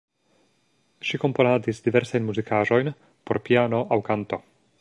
Ŝi komponadis diversajn muzikaĵojn por piano aŭ kanto.